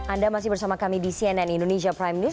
anda masih bersama kami di cnn indonesia prime news